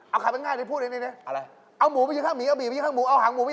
เอาหังหมูไม่ใช่หูหมูเอาหังหมูไม่ใช่หูหมู